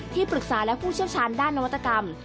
ที่ปรึกษาและผู้เชี่ยวชาญด้านนวัตกรรม